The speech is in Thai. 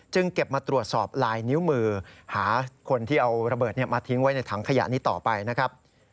เก็บมาตรวจสอบลายนิ้วมือหาคนที่เอาระเบิดมาทิ้งไว้ในถังขยะนี้ต่อไปนะครับ